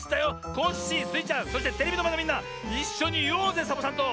コッシースイちゃんそしてテレビのまえのみんないっしょにいおうぜサボさんと。